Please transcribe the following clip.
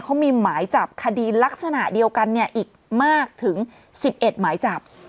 เขามีหมายจับคดีลักษณะเดียวกันเนี่ยอีกมากถึง๑๑หมายจับ